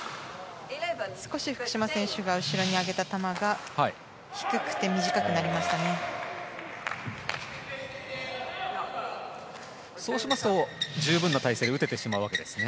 少し福島選手が後ろに上げた球が低くて短くなりましたね。